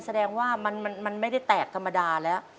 แสดงว่ามันไม่ได้แตกธรรมดาแล้ว